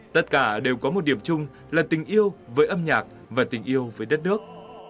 tất cả đều có một điểm chung là tình yêu với âm nhạc và tình yêu với đất nước